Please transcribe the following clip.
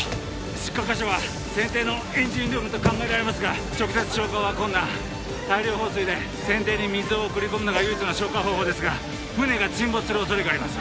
出火箇所は船底のエンジンルームと考えられますが直接消火は困難大量放水で船底に水を送り込むのが唯一の消火方法ですが船が沈没する恐れがあります